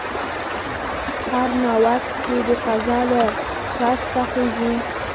هر ناوک چې د قضا له شسته خېژي.